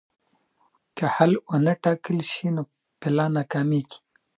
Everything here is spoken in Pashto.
که حل ونه ټاکل شي نو پلان ناکامېږي.